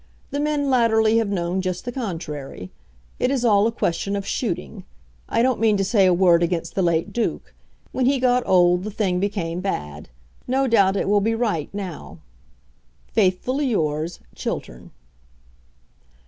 The men latterly have known just the contrary. It is all a question of shooting. I don't mean to say a word against the late Duke. When he got old the thing became bad. No doubt it will be right now. Faithfully yours, CHILTERN.